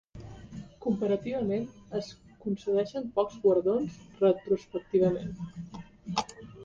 Comparativament, es concedeixen pocs guardons retrospectivament.